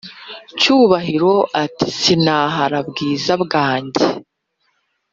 Cyubahiro ati"sinahara bwiza bwanjye